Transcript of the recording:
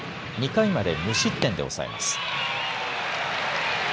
２回まで無失点で抑えます。